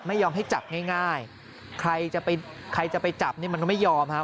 ไม่ยอมให้จับง่ายใครจะไปจับมันก็ไม่ยอมฮะ